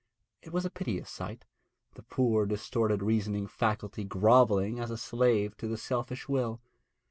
It was a piteous sight the poor distorted reasoning faculty grovelling as a slave to the selfish will.